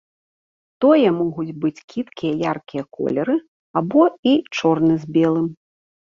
Тое могуць быць кідкія яркія колеры або і чорны з белым.